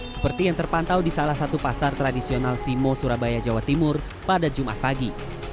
seperti yang terpantau di salah satu pasar tradisional simo surabaya jawa timur pada jumat pagi